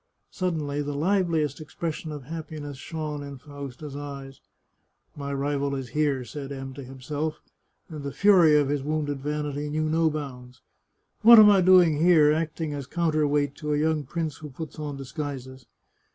Suddenly the liveliest expression of happiness shone in Fausta's eyes, " My rival is here," said M to himself, and the fury of his wounded vanity knew no bounds. " What am I doing here, acting as counter weight to a young prince who puts on disguises